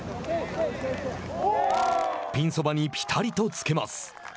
ピンそばにぴたりと付けます。